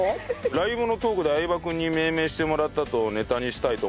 「ライブのトークで相葉君に命名してもらったとネタにしたいと」。